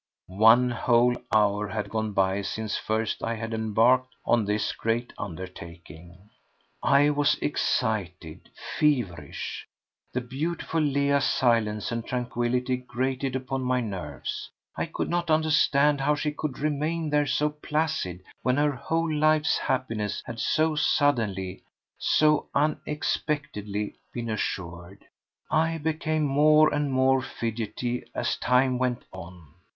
One whole hour had gone by since first I had embarked on this great undertaking. I was excited, feverish. The beautiful Leah's silence and tranquillity grated upon my nerves. I could not understand how she could remain there so placid when her whole life's happiness had so suddenly, so unexpectedly, been assured. I became more and more fidgety as time went on.